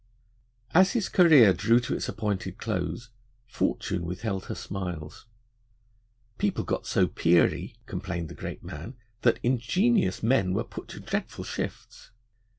As his career drew to its appointed close, Fortune withheld her smiles. 'People got so peery,' complained the great man, 'that ingenious men were put to dreadful shifts.'